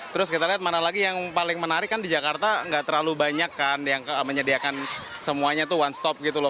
terus kita lihat mana lagi yang paling menarik kan di jakarta nggak terlalu banyak kan yang menyediakan semuanya tuh one stop gitu loh